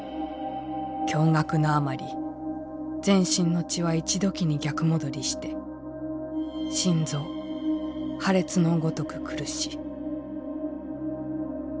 驚愕のあまり全身の血は一時に逆戻りして心臓破裂のごとく苦し」。